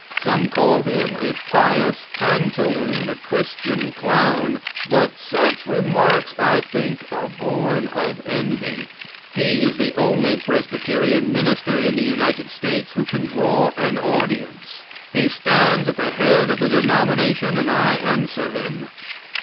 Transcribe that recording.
Some call him a pious pantaloon, a Christian clown; but such remarks, I think, are born of envy. He is the only Presbyterian minister in the United States who can draw an audience. He stands at the head of the denomination, and I answer him.